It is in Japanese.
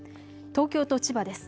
東京と千葉です。